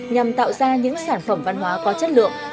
nhằm tạo ra những sản phẩm văn hóa có chất lượng